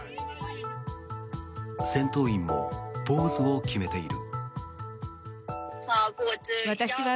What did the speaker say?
戦闘員もポーズを決めている。